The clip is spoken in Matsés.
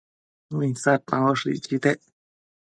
uinsadpamboshë icchitec